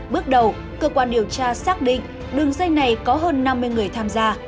bước đầu cơ quan điều tra xác định đường dây này có hơn năm mươi người tham gia